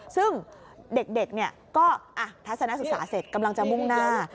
ซึ่งเด็กก็ทัศนศึกษาเสร็จกำลังจะมุ่งหน้า